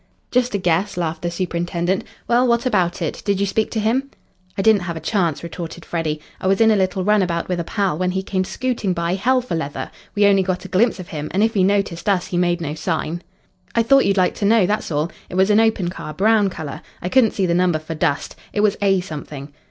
"Just a guess," laughed the superintendent. "Well, what about it? Did you speak to him?" "I didn't have a chance," retorted Freddy. "I was in a little run about with a pal when he came scooting by hell for leather. We only got a glimpse of him, and if he noticed us he made no sign. I thought you'd like to know, that's all. It was an open car, brown colour. I couldn't see the number for dust; it was A something."